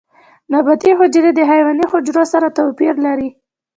نباتي حجرې د حیواني حجرو سره توپیر لري